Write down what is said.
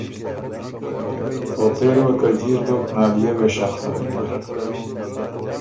او پېری وه که جیر دوک نالئے وې شخ هۀ وینر۔